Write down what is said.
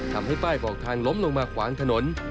ทำให้ป้ายบอกทางล้มลงมาขวางถนน